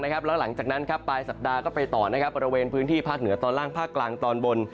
แล้วหลังจากนั้นปลายสัปดาห์ก็ไปต่อบริเวณพื้นที่ภาคเหนือตอนล่างภาคกลางตอนบน